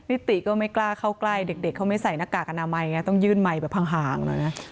นิติก็ไม่กล้าเข้าใกล้เด็กเขาไม่ใส่หน้ากากอนามัยต้องยื่นมัยไปพังห่าง